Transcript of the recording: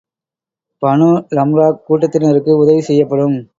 Banu லம்ராக் கூட்டத்தினருக்கு உதவி செய்யப்படும்.